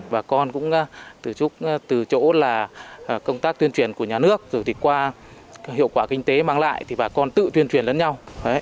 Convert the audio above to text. bà con cũng từ giúp từ chỗ là công tác tuyên truyền của nhà nước rồi thì qua hiệu quả kinh tế mang lại thì bà con tự tuyên truyền lẫn nhau